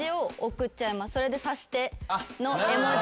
「それで察して」の絵文字。